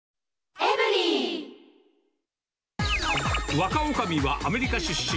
若女将はアメリカ出身！